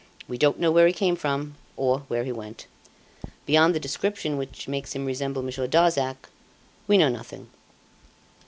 We don't know where he came from or where he went. Beyond the description which makes him resemble Monsieur Darzac, we know nothing.